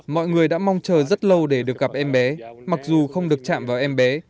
mọi người đã mong chờ rất lâu để được gặp em bé mặc dù không được chạm vào em bé